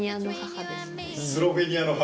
スロベニアの母。